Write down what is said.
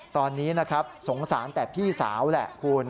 ตอนนี้นะครับสงสารแต่พี่สาวแหละคุณ